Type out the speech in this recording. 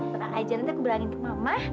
tenang aja nanti aku bilangin ke mama